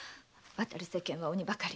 渡る世間は鬼ばかり。